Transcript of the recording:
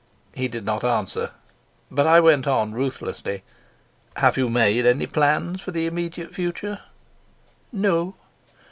He did not answer, but I went on ruthlessly: "Have you made any plans for the immediate future?" "No."